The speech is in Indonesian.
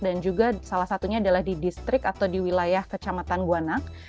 dan juga salah satunya adalah di distrik atau di wilayah kecamatan gwanak